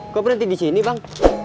kok berhenti disini bang